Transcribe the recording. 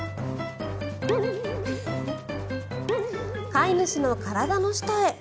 飼い主の体の下へ。